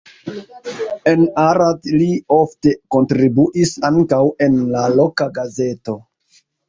En Arad li ofte kontribuis ankaŭ en la loka gazeto.